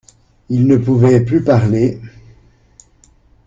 Ils ne pouvaient plus parler.